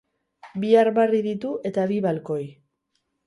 Bi armarri ditu eta bi balkoi.